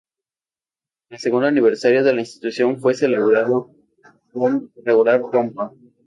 El segundo aniversario de la institución fue celebrado con regular pompa.